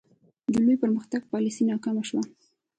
د لوی پرمختګ پالیسي ناکامه شوه.